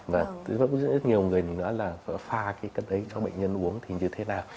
và rất nhiều người nữa là pha cái cách đấy cho bệnh nhân uống thì như thế nào